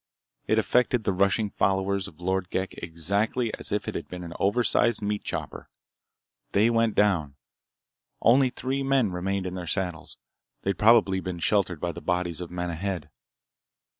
It affected the rushing followers of Lord Ghek exactly as if it had been an oversized meat chopper. They went down. Only three men remained in their saddles—they'd probably been sheltered by the bodies of men ahead.